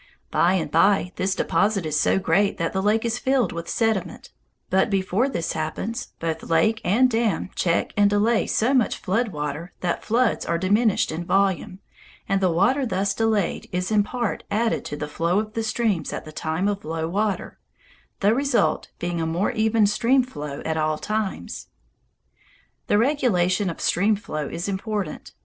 By and by this deposit is so great that the lake is filled with sediment, but before this happens, both lake and dam check and delay so much flood water that floods are diminished in volume, and the water thus delayed is in part added to the flow of the streams at the time of low water, the result being a more even stream flow at all times. The regulation of stream flow is important.